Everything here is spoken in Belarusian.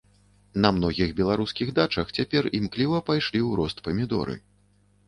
На многіх беларускіх дачах цяпер імкліва пайшлі ў рост памідоры.